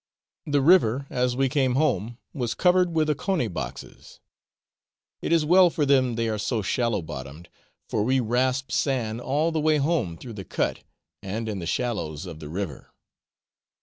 The river, as we came home, was covered with Ocone boxes. It is well for them they are so shallow bottomed, for we rasped sand all the way home through the cut, and in the shallows of the river.